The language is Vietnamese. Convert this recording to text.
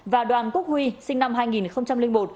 và đoàn quốc huy sinh năm hai nghìn một